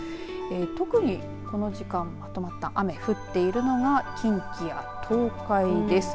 特にこの時間まとまった雨降っているのが近畿や東海です。